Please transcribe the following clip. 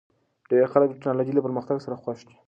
ډېر خلک د ټکنالوژۍ له پرمختګ سره خوښ دي.